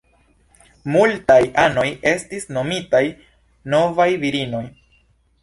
Multaj anoj estis nomitaj "Novaj Virinoj".